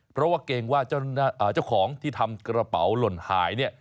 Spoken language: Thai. เพราะว่าเกรงว่าเจ้าของที่ทำกระเป๋าหล่นหายเนี่ย